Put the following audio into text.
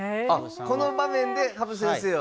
この場面で羽生先生が。